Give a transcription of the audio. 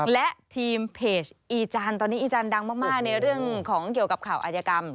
และทีมเพจอีจานตอนนี้อีจันทร์ดังมากในเรื่องของเกี่ยวกับข่าวอาจยกรรม